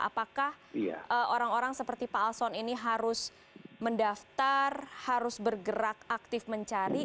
apakah orang orang seperti pak alson ini harus mendaftar harus bergerak aktif mencari